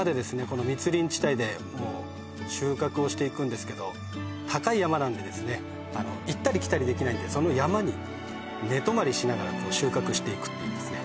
この密林地帯で収穫をしていくんですけど高い山なんでですね行ったり来たりできないんでその山に寝泊まりしながら収穫していくっていうですね